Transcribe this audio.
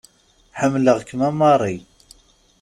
Ḥemmelɣ-kem a Marie.